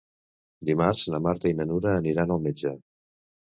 Dimarts na Marta i na Nura aniran al metge.